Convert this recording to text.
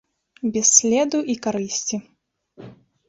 Без следу і карысці.